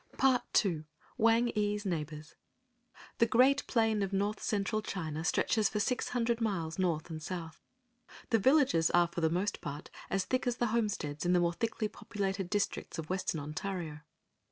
*Part II. WANG EE's NEIGHBORS.* The great plain of North Central China stretches for six hundred miles North and South. The villages are for the most part as thick as the homesteads in the more thickly populated districts of Western Ontario.